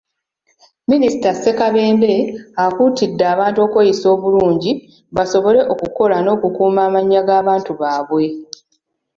Minisita Ssekabembe akuutidde abantu okweyisa obulungi basobole okukola n'okukuuma amannya g'abantu baabwe.